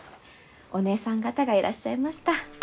お姐さん方がいらっしゃいました。